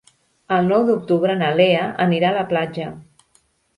El nou d'octubre na Lea anirà a la platja.